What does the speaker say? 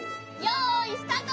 よいスタート！